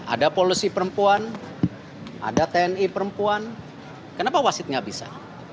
ada polisi perempuan ada tni perempuan kenapa wasit nggak bisa